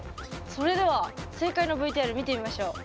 それでは正解のＶＴＲ見てみましょう。